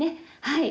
はい